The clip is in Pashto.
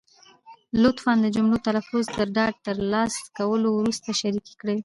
لطفا د جملو تلفظ تر ډاډ تر لاسه کولو وروسته شریکې کړئ.